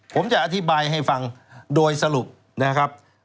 ผมจะอธิบายให้ฟังโดยสรุปนะครับ